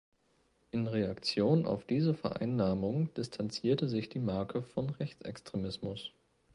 In Reaktion auf diese Vereinnahmung distanzierte sich die Marke von Rechtsextremismus.